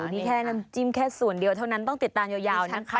นี่แค่น้ำจิ้มแค่ส่วนเดียวเท่านั้นต้องติดตามยาวนะคะ